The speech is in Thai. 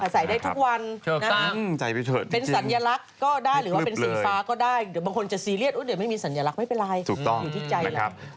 ใส่ได้ทุกวันเป็นสัญลักษณ์ก็ได้หรือว่าเป็นสีฟ้าก็ได้เดี๋ยวบางคนจะซีเรียสเดี๋ยวไม่มีสัญลักษณ์ไม่เป็นไรอยู่ที่ใจแล้ว